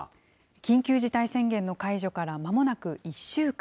緊急事態宣言の解除からまもなく１週間。